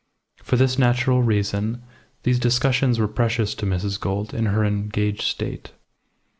For this natural reason these discussions were precious to Mrs. Gould in her engaged state.